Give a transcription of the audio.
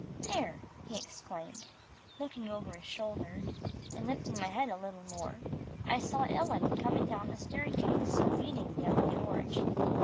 "There," he exclaimed, looking over his shoulder, and lifting my head a little more, I saw Ellen coming down the staircase, leading young George.